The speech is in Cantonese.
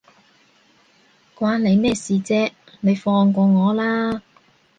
關你咩事啫，你放過我啦